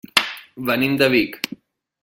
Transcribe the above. Venim de Vic.